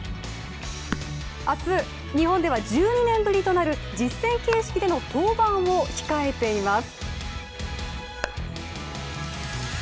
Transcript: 明日、日本では１２年ぶりとなる実戦形式での登板を控えています。